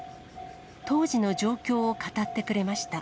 当時の状況を語ってくれました。